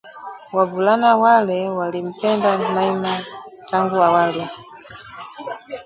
Wavulana wale walimpenda Naima tangu awali